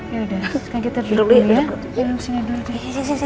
yaudah sekarang kita duduk dulu ya